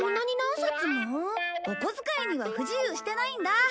お小遣いには不自由してないんだ。